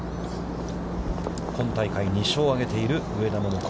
今大会２勝を上げている上田桃子。